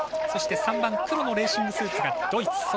そして３番、黒のレーシングスーツがドイツ。